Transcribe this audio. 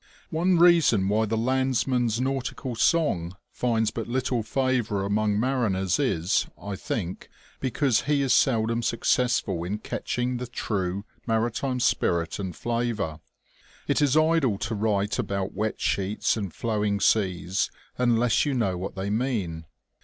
One reason why the landsman's nautical song finds but little favour among mariners is, I think, because he is seldom successful in catching the true maritime spirit and flavour. It is idle to write about wet sheets and flowing seas unless you know what they mean.